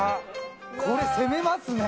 これ攻めますね。